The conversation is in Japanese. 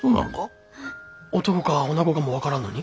男かおなごかも分からんのに？